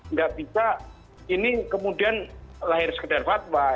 nggak bisa ini kemudian lahir sekedar fatwa